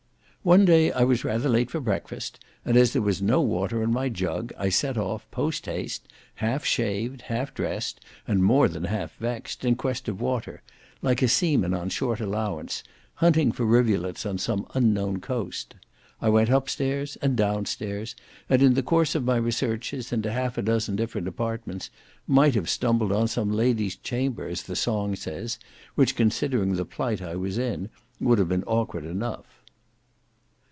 "One day I was rather late for breakfast, and as there was no water in my jug, I set off, post haste, half shaved, half dressed, and more than half vexed, in quest of water, like a seaman on short allowance, hunting for rivulets on some unknown coast. I went up stairs, and down stairs, and in the course of my researches into half a dozen different apartments, might have stumbled on some lady's chamber, as the song says, which considering the plight I was in, would have been awkward enough."